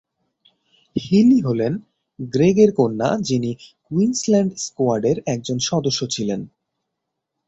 হিলি হলেন গ্রেগ এর কন্যা যিনি কুইন্সল্যান্ড স্কোয়াডের একজন সদস্য ছিলেন।